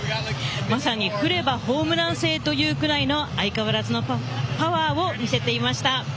まさに振ればホームラン性というぐらいの相変わらずのパワーを見せていました。